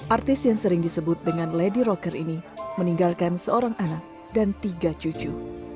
artis yang sering disebut dengan lady rocker ini meninggalkan seorang anak dan tiga cucu